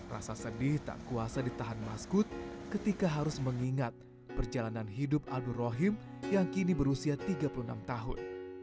rasa sedih tak kuasa ditahan maskud ketika harus mengingat perjalanan hidup abdur rohim yang kini berusia tiga puluh enam tahun